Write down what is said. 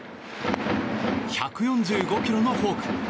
１４５キロのフォーク。